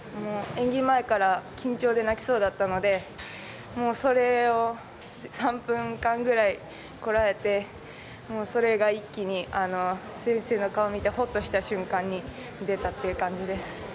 演技前から緊張で泣きそうだったのでそれを３分間ぐらいこらえてそれが一気に先生の顔を見てほっとした瞬間に出たっていう感じです。